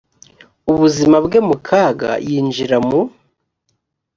ubuzima bwe mu kaga yinjira mu